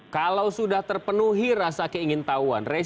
kalau sudah terpenuhi rasa keingin tahuan